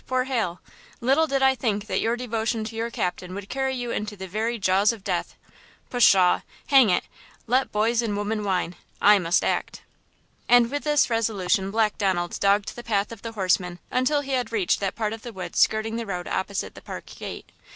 Poor Hal! Little did I think that your devotion to your captain would carry you into the very jaws of death–pshaw! hang it! Let boys and women whine! I must act!" And with this resolution Black Donald dogged the path of the horsemen until he had reached that part of the woods skirting the road opposite the park gate.